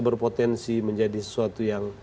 berpotensi menjadi sesuatu yang